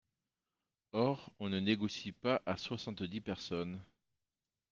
Or on ne négocie pas à soixante-dix personnes.